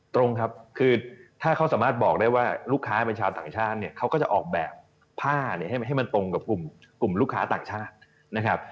ตรงครับคือถ้าเขาสามารถบอกได้ว่าลูกค้าเป็นชาวต่างชาติเนี่ยเขาก็จะออกแบบผ้าเนี่ยให้มันตรงกับกลุ่มลูกค้าต่างชาตินะครับ